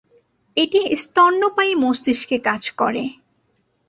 এটি স্তন্যপায়ীদের মস্তিষ্কে কাজ করে।